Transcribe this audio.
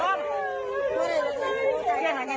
ท่านเรียกว่า